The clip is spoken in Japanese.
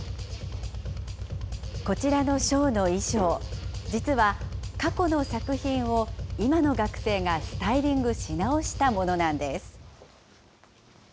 こちらのショーの衣装、実は、過去の作品を今の学生がスタイリングし直したものなんです。